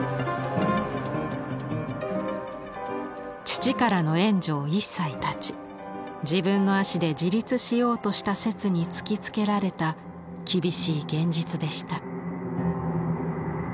父からの援助を一切絶ち自分の足で自立しようとした摂に突きつけられた厳しい現実でした。